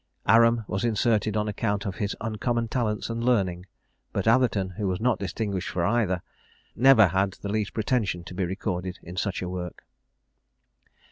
Aram was inserted on account of his uncommon talents and learning; but Atherton, who was not distinguished for either, never had the least pretension to be recorded in such a work."